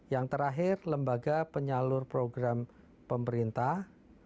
yang terakhir lembaga penyalur program pemerintah